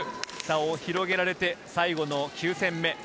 差を広げられて、最後の９戦目。